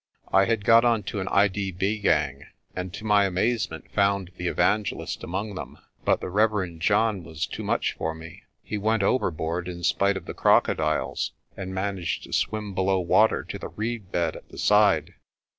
"I had got on to an I.D.B. gang, and to my amazement found the evangelist among them. But the Reverend John was too much for me. He went overboard in spite of the crocodiles, and managed to swim below water to the reed bed at the side.